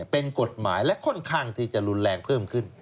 เป็นกฎหมายและค่อนข้างที่จะรุนแรงเพิ่มขึ้น